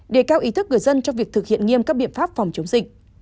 đề cao ý thức người dân trong việc thực hiện nghiêm các biện pháp phòng chống dịch